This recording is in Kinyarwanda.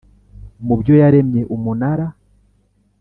mu byo yaremye Umunara